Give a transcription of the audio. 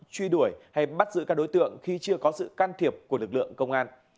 truy đuổi hay bắt giữ các đối tượng khi chưa có sự can thiệp của lực lượng công an